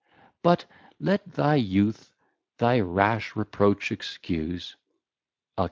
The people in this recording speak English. But let thy Youth thy rash Reproach excuse. _Alci.